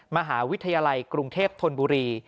มหาวิทยาลัยกรุงเทพธนบุรี